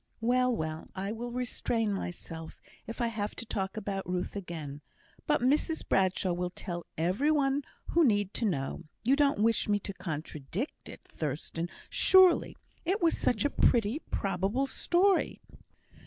"Well, well! I will restrain myself if I have to talk about Ruth again. But Mrs Bradshaw will tell every one who need to know. You don't wish me to contradict it, Thurstan, surely it was such a pretty, probable story."